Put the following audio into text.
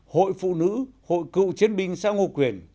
hội phụ nữ hội cựu chiến binh xã ngô quyền